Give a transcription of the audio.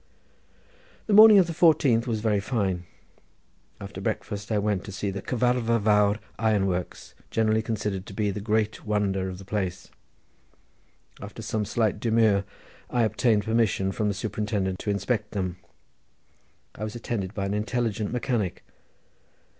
The morning of the fourteenth was very fine. After breakfast I went to see the Cyfartha Fawr iron works, generally considered to be the great wonder of the place. After some slight demur I obtained permission from the superintendent to inspect them. I was attended by an intelligent mechanic.